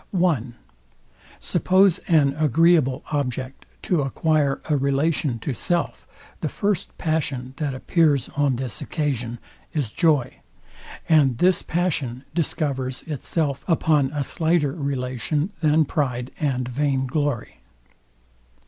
I. Suppose an agreeable object to acquire a relation to self, the first passion, that appears on this occasion, is joy; and this passion discovers itself upon a slighter relation than pride and vain glory.